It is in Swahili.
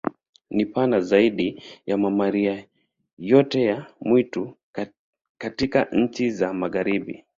Ni pana zaidi ya mamalia yoyote ya mwitu katika nchi za Magharibi.